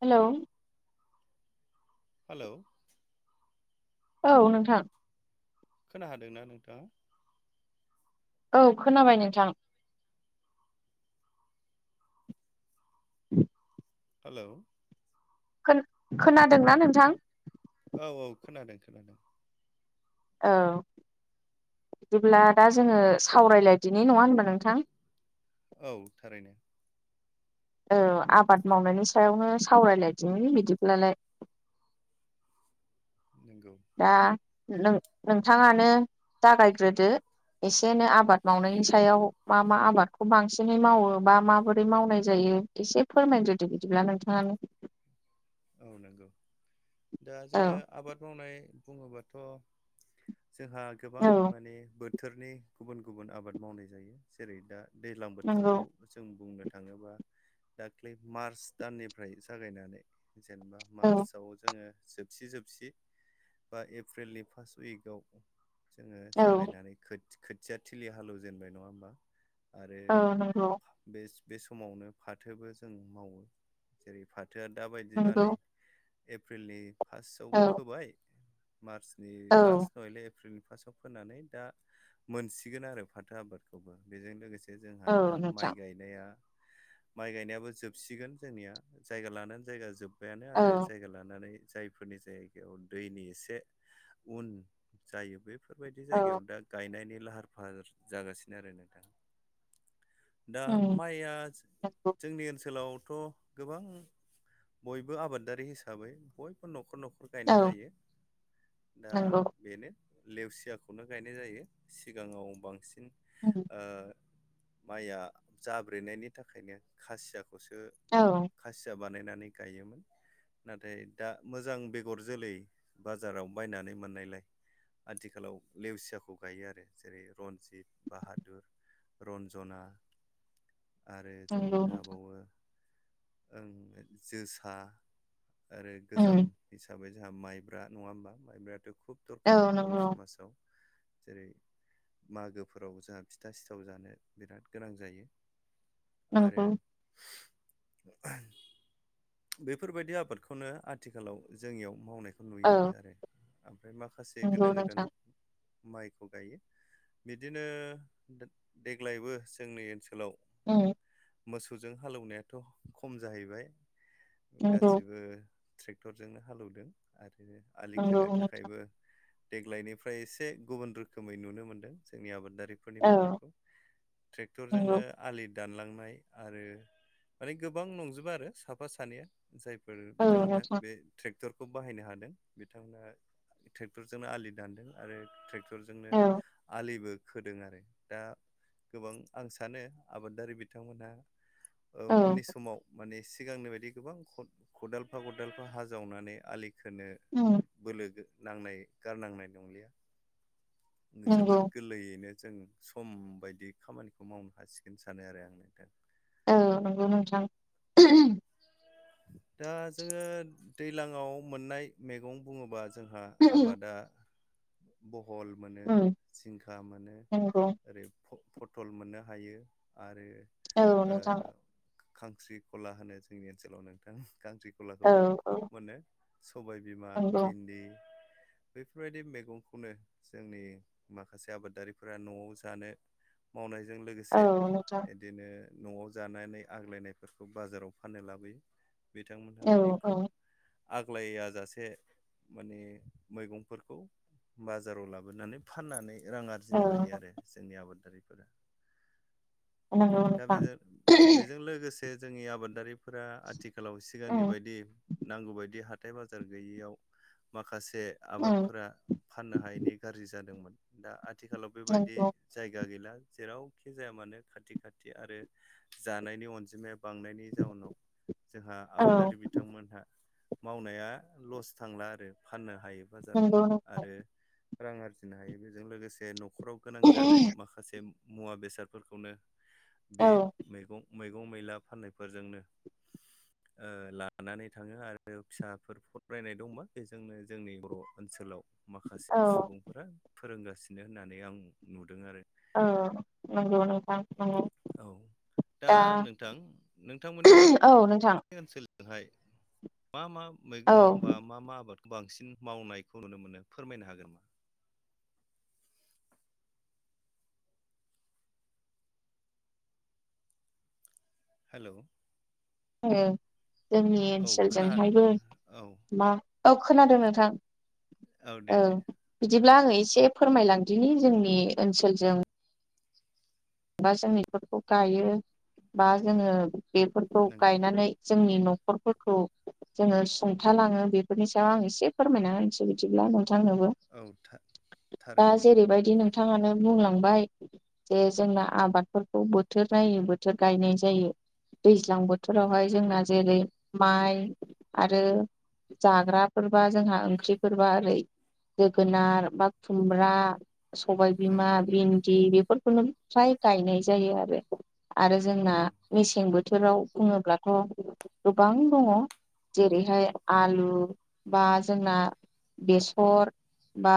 Hello hello औ नोंथां खोनाखादोंना नोंथाङा औ खोनाबाय नोंथां। [inaudible] हेलौ खोनादोंना नोंथां। औ औ खोनादों खोनादों। औ बिदिब्ला दा जोङो सावरायलायदिनि नङा होनबा नोंथां। औ थारैनो औ आबाद मावनायनि सायावनो सावरायलायदि बिदिब्लालाय। [inaudible] दा [inaudible] नोंथाङानो जागायग्रोदो। एसे एनै आबाद मावनायनि सायाव मा मा आबादखौ बांसिनै मावो बा माबोरै मावनाय जायो। एसे फोरमायग्रोदो बिदिबा नोंथाङानो। [inaudible] औ नंगौ दा औ जोङो आबाद मावनाय बुङोबाथ' जोंहा गोबां औ माने बोथोरनि गुबुन गुबुन आबाद मावनाय जायो जेरै दा। दैज्लां नंगौ बोथोरखौ जों बुंनो। थाङोबा दाख्लै मार्च दाननिफ्राय जागायनानै। जेनेबा औ मार्चआव जोङो। जोबसि जोबसि बा एप्रिलनि फार्स्ट उइकआव। जोङो औ जागायनानै खोथिया थिलि हालेवजेनबाय नङा होमबा। आरो औ नंगौ बे बे समावनो फाथोबो जों मावो जेरै फाथोआ दाबायदिब नंगौ न एप्रिलनि फार्स्टआव औ फोबाय मार्चनि औ लास्ट नहायलाय एप्रिल। सफा सब फोनानै दा मोनसिगोन आरो फाथो आबादखौबो बेजों लोगोसे जोंहा औ दा नोंथां माइ गायनायाबो जोबसिगोन जोंनिया जायगा लानानै। जायगा जोब्बायानो आरो औ जायगा लानानै। जायफोरनि जायगायाव दैनि एसे उन जायो बे बेफोरबायदि औ जायगायाव दा गायनायनि लाहार फाहार जागासिनो आरो ना दा दा उम माइया जोंनि ओनसोलावथ' गोबां बयबो आबादारि हिसाबै बयबो न'खर न'खर नफोरावनो गायनाय औ जायो दा नंगौ बेनो। लेवसियाखौनो गायनाय जायो सिगाङाव बांसिन। उम माइया जाब्रेनायनि थाखायनो खासियाखौसो औ खासिया बानायनानै। नानै गायोमोन नाथाय दा मोजां बेगर जोलै बाजाराव बायनानै मोननायलाय। आथिखालाव लेवसियाखौ गायो आरो जेरै रनजित बाहादुर। रन्जना आरो जों नंगौ मोननो हाबावो जोसा आरो गोजाम उम हिसाबै जोंहा माइब्रा नङा होमबा माइब्रायाथ'। खुब औ दरखार बर' नंगौ समाजाव जेरै मागोफोराव जोंहा फिथा सिथाव जानो बिराद गोनां जायो। आरो। नंगौ बेफोरबायदि आबादखौनो आथिखालाव जोंनियाव मावनायखौ औ नुयो आरो। ओमफ्राय माखासे नंगौ गोदान गोदान। नोंथां माइखौ गायो बिदिनो देग्लायबो जोंनि ओनसोलाव। औ। मोसौजों हालौवनायाथ' खम जाहैबाय नंगौ गासिबो। ट्रेक्टरजोंनो हालौवदों आरो आलि नंगौ खोनो थाखायबो। देग्लायनिफ्राय एसे गुबुन रोखोमै नुनो मोन्दों जोंनि आबादारि। बेफोरनि औ मावनायखौ ट्रेक्टरजोंनो नंगौ आलि दानलांनाय आरो माने गोबां नंजोबा आरो साफा सानैया जाय फोर औ बिथांमोनहा नोंथां बे ट्रेक टरखौ बाहायनो हादों बिथांमोनहा ट्रेक्टरजोंनो आलि दानदों आरोे ट्रेक टरजोंनो औ आलिबो। खोदों आरो दा गोबां आं सानो आबादारि बिथांमोनहा। औ उननि समाव माने सिगांनि बायदि गोबां खदालफा खदालफा हाजावनानै आलि। खौनो उम बोलो नांनाय गारनांनाय नंलिया नंगौ जोबोद गोरलैयैनो। जों सम बायदि खामानिखौ मावनो हासिगोन सानो आरो आं नोंथां। औ नंगौ नोंथां। दा जोङो दैज्लाङाव मोननाय मैगं बुङोबा। जोंहा आबादा बहल मोनो उम जिंखा मोनो नंगौ ओरै फटल मोननो हायो आरो औ नोंथां। खांस्रिखला होनो जोंनि ओनसोलाव नोंथां औ खांस्रिखलाखौबो औ खुब मोनो। सबाय बिमा, नंगौ भिन्दि बेफोरबायदि मैगंखौनो जोंनि माखासे आबादारिफोरा न'आव जानो मावनाय जों औ लोगोसे नोंथां बिदिनो न'आव जानानै आग्लायनायफोरखौ बाजाराव फाननो लाबोयो बिथांमोनहा औ माने औ खुब आग्लाया जासे माने मैगंफोरखौ बाजाराव लाबोनानै फाननानै रां औ आरजिनो हायो आरो जोंनि आबादारिफोरा नंगौ दा नोंथां बेजों बेजों लोगोसे जोंनि आबादारिफोरा आ थिखालाव सिगांनि उम बायदि नांगौ बायदि हाथाय बाजार गैयियाव माखासे जे उम आबादफोरा फाननो हायैनि गाज्रि जादोंमोन दा आथिखालाव बेबायदि नंगौ जायगा गैला जेरावखि जाया मानो खाथि खाथि आरो जानायनि अनजिमाया बांनायनि जाउनाव जोंहा औ आबादारि बिथांमोनहा मावनाया लस थांला आरो फाननो हायो नंगौ बाजारावनो नों आरो रां आरजिनो हायो बेजों लोगोसे न'खराव गोनां जानाय माखासे मुवा बेसादफोरखौनो औ बे मैगं मैगं मैला फाननायफोरजोंनो लानानै थाङो आरो फिसाफोर फरायनाय दंबा बेजोंनो जोंनि बर' ओनसोलाव माखासे औ सुबुंफोरा फोरोंगासिनो होननानै आं नुदों आरो औ नोंगौ नोथां। औ दा नोंथां नोंथांमोननि औ नोंथां ओनसोलजोंहाय मा मा औ मैगं बा मा मा आबाद बांसिन मावनायखौ नुनो मोनो फोरमायनो हागोन नामा? हेलौ जोंनि औ खोनाहा ओनसोलजोंहायबो औ मा औ खोनादों नोंथां। औ दे दे। बिदिब्ला आङो एसे फोरमायलांदिनि जोंनि ओनसोलजों बा जों बेफोरखौ गायो बा जोङो बेफोरखौ नंगौ गायनानै जोंनि न'खरफोरखौ जोङो सुंथालाङो बेफोरनि सायाव आं एसे फोरमायना होनसै बिदिब्ला नों बिथांनोबो औ था दा थारैनो जेरैबायदि नों नोंथाङानो बुंलांबाय जे जोंना आबादफोरखौ बोथोर नायै बोथोर गायनाय जायो। दैज्लां औ बोथोरावहाय जोंना जेरै माइ आरो जाग्राफोरबा जोंहा ओंख्रिफोरबा ओरै जोगोनार बा खुमब्रा सबायबिमा नंगौ नंगौ भिन्दि बेफोरखौनो फ्राय गायनाय जायो आरो आरो जोंना औ मेसें बोथोराव बुङोब्लाथ गोबां दङ जेरैहाय आलु बा जोंना बेसर बा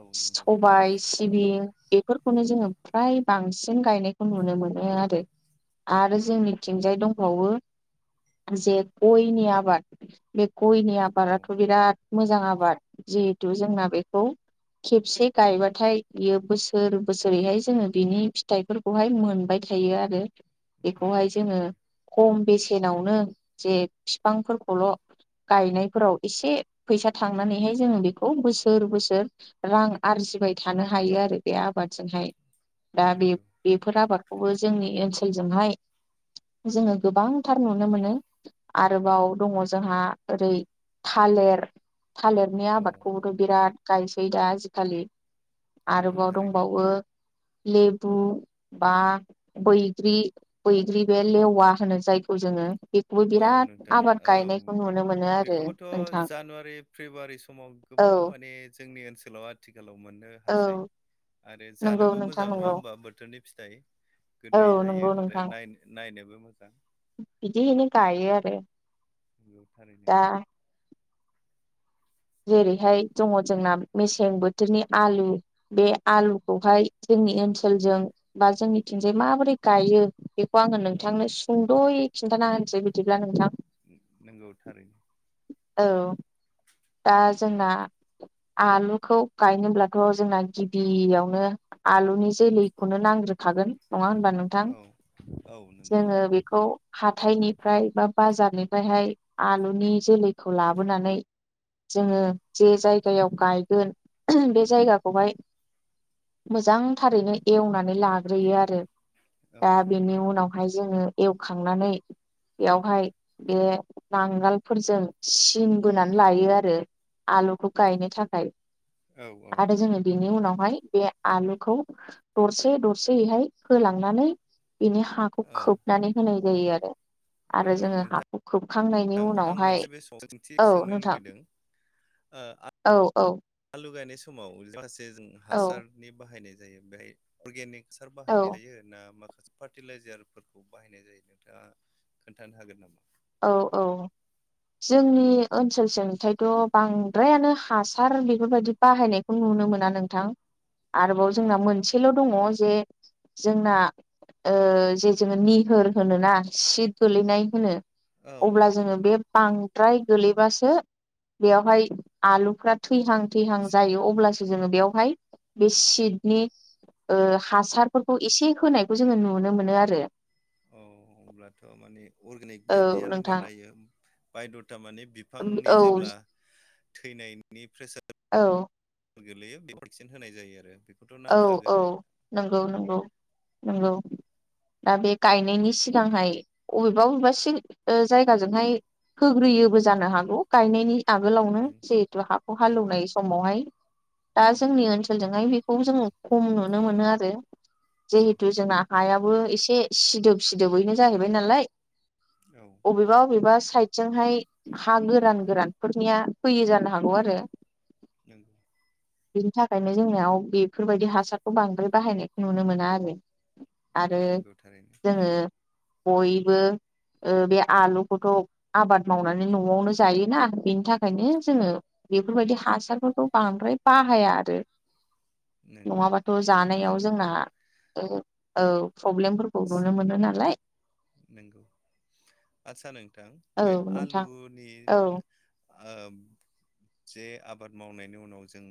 औ नंगौ सबाय सिबिं बेफोरखौनो जोङो फ्राय बांसिन गायनायखौ नुनो मोनो आरो आरो नंगौ जोंनिथिंजाय दंबावो जे गयनि आबाद बे गयनि औ आबादाथ बिराद मोजां आबाद जिहेथु जोंना बेखौ खेबसे गायबाथाय बियो बोसोर बोसोरैहाय जोङो बिनि फिथाइफोरखौहाय मोनबायथायो आरो नंगौ बेखौहाय जोङो थारैनो खम बेसेन नावनो जे बिफांफोरखौल गायनायफोराव एसे फैसा थांनानैहाय जोङो बेखौ बोसोर बोसोर रां आरजि बाय थानो हायो आरो बे आबादजोंहाय दा बे नंगौ बेफोर आबादखौबो जोंनि ओनसोलजोंहाय जोङो गोबांथार नुनो मोनो आरोबाव दङ जोंहा ओरै थालिर थालिरनि औ आबादखौबोथ बिराद गायसै दा आजिखालि नंगौ आरोबाव थारैनो दंबावो लेबु बा बैग्रि बैग्रि बे लेवा होनो जायखौ जोङो बेखौबो औ बिराद नोंथां आबाद औ गायनायखौ नुनो मोनो आरो बेखौबोथ नोंथां जानुवारि फेब्रुवारि समाव औ गोबां माने जोंनि ओनसोलाव आथिखाल गोलाव मोननो औ हासै आरो नंगौ जानोबो नोंथां मोजां नङा नंगौ होमबा बोथोरनि फिथाइ। औ गोदै जायो आरो नाय नायनोबो मोजां बिदिनो गायो आरो। जयाव थारायनो दा जेरैहाय दङ जोंना मेसें बोथोरनि आलु बे आलुखौहाय जों ओनसोलजों बा जोंनिथिंजाय माबोरै गायो। खौ आङो औ नोंथांनो सुंद'यै खिन्थाना होनोसै बिदिब्ला नोंथां। नोंगौ थारैनो औ हागोन। दा जोंना आलुखौ गायनोब्लाथ जोंना गिबियावनो आलुनि जोलैखौनो नांग्रोखागोन। नङा होनबा नोंथां औ औ नंगौ जोङो बेखौ हा हाथाइनिफ्राय बा बाजारनिफ्रायहाय आलुनि जोलैखौ लाबोनानै जोङो जे जायगायाव गायगोन बे जायगाखौहाय मोजांथारैनो एवनानै लाग्रोयो आरो औ दा बेनि उनाव हाय जोङो एवखांनानै बेयावहाय बे नांगोलफोरजों सिन बोनानै लायो आरो आलुखौ गायनो थाखाय औ औ आरो जोङो बेनि उनाव माने बे आलुखौ दरसे दरसेहै होलांनानै बिनि हाखौ औ खोबनानै होनाय जायो आरो। आरो नंगौ जोङो नोंथां हाखौ खोबखांनायनि आं उनावहाय मोनसे बे सोंथि औ सोंनो नों लुगैदों ओ औ लुगायनाय समाव माखासे जों औ हासारनि बाहायनाय जायो बेहाय अर्गेनिक हासार औ बाहायनाय जायो ना मा फार्टिलाइजारफोरखौ बाहायनाय जायो नोंथाङा खोन्थानो हागोन नामा? औ औ जोंनि ओनसोलसिजोंथायथ' बांद्रायानो हासार बेफोरबायदि बाहायनायखौ नु नो मोना नोंथां आरोबाव औ जोंना मोनसेल' दङ जे जोंना ओ जोङो निहोर होनोना सिट गोलैनाय होनो औ औ अब्ला जोङो नंगौ बे बां द्राय गोलैबासो बेवहाय आलुफ्रा थैहां थैहां एसे जायो अब्ला सो जोङो बेवहाय बे सिटनि ओ हासारफोरखौ एसे होनायखौ जोङो नुनो मोनो आरो। औ होमब्लाथ' माने अर्गेनिक औ बायदियानो नोंथां बानायो बायद'द ता माने बिफांनि औ जेब्ला थैनायनि प्रेसार औ गोलैयो बे अरसेन [unintelligible] होनाय जायो आरो। बेखौथ' औ नांखागोन औ नंगौ नंगौ नंगौ दा बे गायनायनि सिगांहाय अबेबा बबेबा जायगाजोंहाय होग्रोयोबो जानो हागौ गायनायनि आगोलावनो नों जिहेतु हाखौ नंगौ हालेवनाय समावहाय दा नंगौ जोंनि ओनसोलजोंहाय बे जों खम नुनो मोनो आरो उम जिहेतु जोंना हायाबो एसे सिदोब सिदोबैनो जाहैबाय नालाय। औ अबेबा अबेबा साइदजोंहाय हा गोरान गोरानफोरनिया फैयो जानो हागौ आरो। नोंगौ। बिनि थाखायनो जोंनाव बेफोरबायदि हासारखौ बांद्राय बाहायनायखौ नुनो मोना आरो। आरो नंगौ थारैनो जोङो बयबो बे आलुखौथ' आबाद मावनानै न'वावनो जायोना। बेनि थाखायनो जोङो बेफोरबायदि हासारफोरखौ बांद्राय बाहाया आरो। नंगौ नङाबाथ' जोबोद जानायाव मोजां जोंना औ। प्रब्लेमफोरखौ नुनो मोनो नालाय। नंगौ आदसा नोंथां औ बे नोंथां आलुनि। औ ओ जे आबाद मावनायनि उनाव जों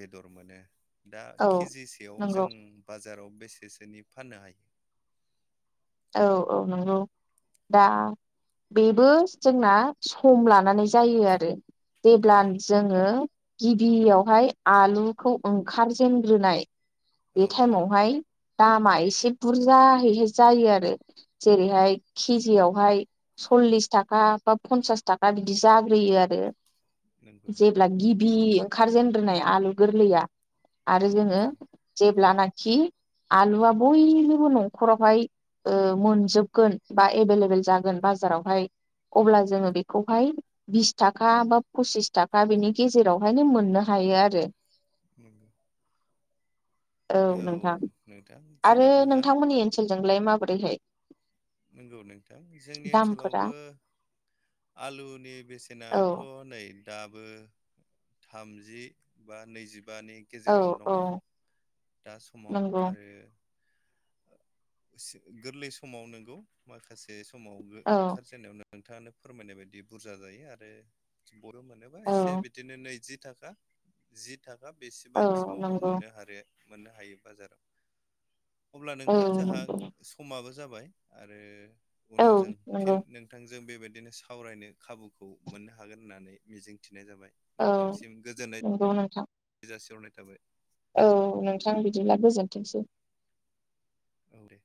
बेदर मोनो। दा औ केजिसेयाव नंगौ जों बाजाराव बेसेसोनि फाननो हायो। औ औ नंगौ। दा बेबो जोंना सम लानानै जायो आरो। जेब्ला औ जोङो गिबियावहाय आलुखौ ओंखारजेनग्रोनाय। बे औ औ टाइमावहाय दामा एसे बुरजाहैहाय जायो आरो। जेरैहाय केजियावहाय सलिस थाखा बा फसास थाखा बि जा ग्रोयो आरो नंगौ जेब्ला गिबि ओंखारजेनग्रोनाय आलु गोरलैया। आरो नंगौ जोङो नंगौ जेब्ला नो खि आलुआ बयनिबो न'खरावहाय ओ मोनजोबगोन बा एभेलेबल जागोन बाजारावहाय अब्ला जोङो बेखौहाय बिस थाखा बा पसिस थाखा बेनि गेजेरावहायनो मोननो हा हायो आरो। उम औ नोंथां नोंथां आरो जोबोद मोजां नोंथांमोननि ओनसोलजोंलाय माबोरैहाय नंगौ नोंथां जोंनि दामफोरा ओनसोलावबो। आलुनि औ बेसेनाथ' नै दाबो थामजि बा नैजिबानि औ गेजेरावनो दङ'। औ दा समाव नंगौ आरो गोरलै समाव नोंगौ माखासे समाव औ ओंखारजेनायाव नो नोंथाङानो फोरमायनाय बायदि बुरजा जायो आरो बर' मोनोबा औ एसे बिदिनो नैजि। थाखा जि थाखा औ बेसेबांसिमावबो नंगौ मोननो हारो मोननो हायो बाजाराव अब्ला औ नोंथां जोंहा नंगौ समाबो जाबाय। आरो औ उनाव जों नंगौ फिन नोंथां जों जों बेबायदिनो सावरायनो खाबुखौ मोननो हागोन होननानै मिजिंथि नाय जाबाय औ नोंथांसिम गोजोननाय नंगौ नोंथां जासिहरनाय थाबाय। औ नोंथां बिदिब्ला गोजोनथोंसै। औ‌‌ दे।